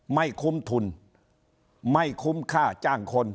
ไม่คุ้มทุนไม่คุ้มค่าจ้างคน